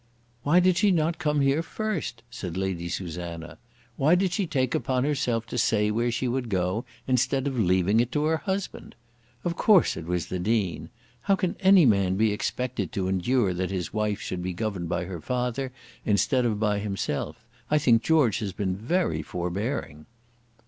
"Why did she not come here first?" said Lady Susanna. "Why did she take upon herself to say where she would go, instead of leaving it to her husband. Of course it was the Dean. How can any man be expected to endure that his wife should be governed by her father instead of by himself? I think George has been very forbearing."